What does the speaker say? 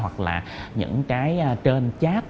hoặc là những cái trên chat